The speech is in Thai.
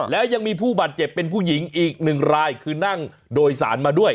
แล้วยังมีผู้บาดเจ็บเป็นผู้หญิงอีกหนึ่งรายคือนั่งโดยสารมาด้วย